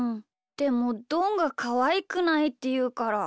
でもどんが「かわいくない」っていうから。